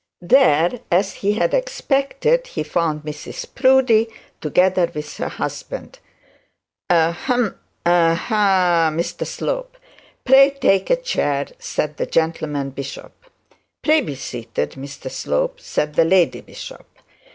There, as had expected, he found Mrs Proudie, together with her husband. 'Hum, ha Mr Slope, please take a chair,' said the gentleman bishop. 'Pray be seated, Mr Slope,' said the lady bishop.